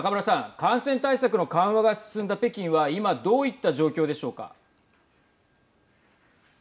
感染対策の緩和が進んだ北京は今どういった状況でしょうか。